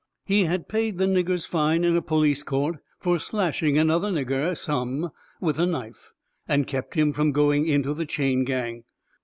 He had paid the nigger's fine in a police court fur slashing another nigger some with a knife, and kept him from going into the chain gang.